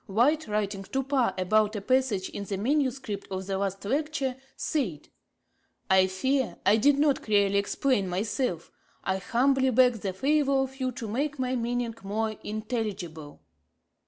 White, writing to Parr about a passage in the manuscript of the last Lecture, said: 'I fear I did not clearly explain myself; I humbly beg the favour of you to make my meaning more intelligible.'